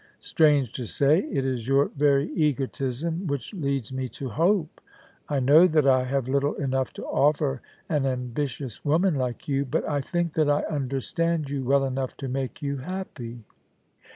Strange to say, it is your very egotism which leads me to hope. I know that I have little enough to offer an ambitious woman like you, but I think that I understand you well enough to make you happy.'